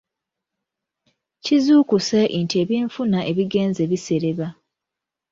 Kizuukuse nti ebyenfuna ebigenze bisereba.